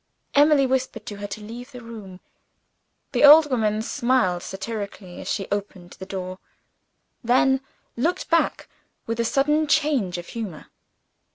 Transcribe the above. Emily whispered to her to leave the room. The old woman smiled satirically as she opened the door then looked back, with a sudden change of humor.